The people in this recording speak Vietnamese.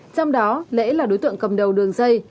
trong đó lễ là đối tượng cầm đầu đường dây